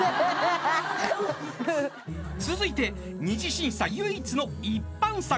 ［続いて二次審査唯一の一般参加］